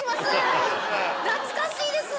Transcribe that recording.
懐かしいです。